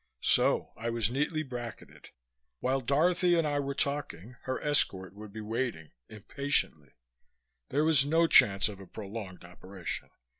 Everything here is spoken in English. So I was neatly bracketed. While Dorothy and I were talking, her escort would be waiting impatiently. There was no chance of a prolonged operation.